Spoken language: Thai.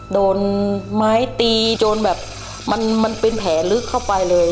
โดนไม้ตีโดนแบบมันเป็นแผลลึกเข้าไปเลย